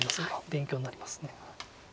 勉強になります。